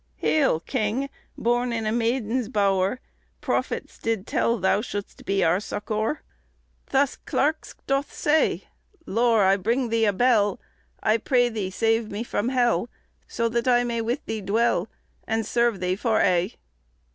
Heale, kinge! borne in a mayden's bower, Profittes did tell thou shouldest be our succore, Thus clarkes doth saye. Lor, I bringe thee a bell; I praie Thee save me from hell, So that I may with Thee dwell, And serve thee for aye."